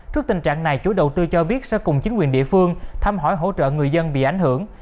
trước tình trạng này chủ đầu tư cho biết sẽ cùng chính quyền địa phương thăm hỏi hỗ trợ người dân bị ảnh hưởng